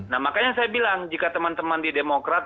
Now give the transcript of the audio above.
nah makanya saya bilang jika teman teman di demokrat